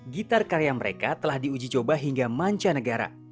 gitar karya mereka telah diuji coba hingga manca negara